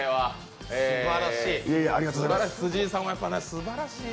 すばらしい。